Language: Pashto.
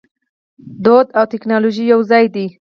دود او ټیکنالوژي یوځای دي.